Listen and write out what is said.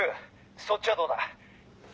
そっちはどうだ？